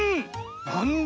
なんだ